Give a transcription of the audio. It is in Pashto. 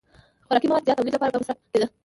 د خوراکي موادو زیات تولید لپاره به مصرف کېده.